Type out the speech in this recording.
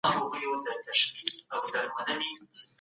روښانه فکر پرمختګ نه زیانمنوي.